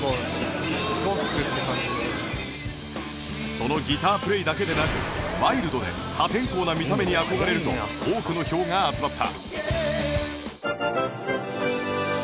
そのギタープレイだけでなくワイルドで破天荒な見た目に憧れると多くの票が集まった